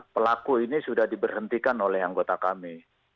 pelaku ini sudah diberhentikan oleh anggota kami